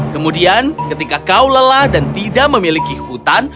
kemudian ketika kau lelah dan tidak memiliki hutan